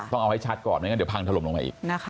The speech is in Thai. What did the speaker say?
ต้องเอาให้ชัดก่อนเดี๋ยวพังทะลมลงมาอีก